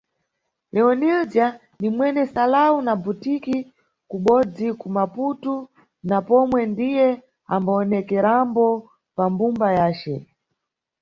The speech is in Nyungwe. Leonilzia ni mwene salão na butique kubodzi ku Maputu na pomwe ndiye ambawonekerambo pa mbumba yace.